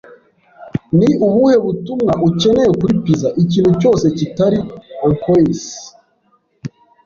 "Ni ubuhe butumwa ukeneye kuri pizza?" "Ikintu cyose kitari anchoies."